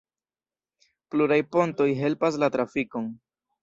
Pluraj pontoj helpas la trafikon.